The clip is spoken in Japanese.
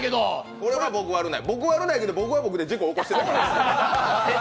これは、僕悪くない、僕悪ないけど、僕は僕で事故起こしてるから。